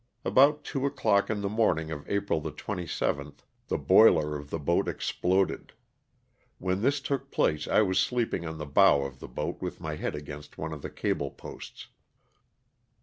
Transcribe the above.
About two o'clock in the morning of April the 27th the boiler of the boat exploded* When this took place I was sleeping on the bow of the boat with my head against one of the cable posts.